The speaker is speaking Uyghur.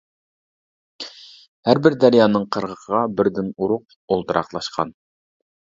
ھەر بىر دەريانىڭ قىرغىقىغا بىردىن ئۇرۇق ئولتۇراقلاشقان.